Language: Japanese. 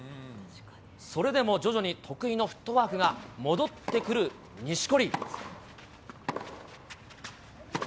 それでも徐々に得意のフットワークが戻ってくる錦織。